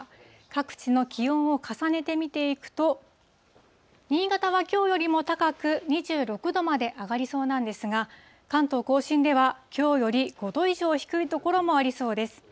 各地の気温を重ねて見ていくと、新潟はきょうよりも高く、２６度まで上がりそうなんですが、関東甲信では、きょうより５度以上低い所もありそうです。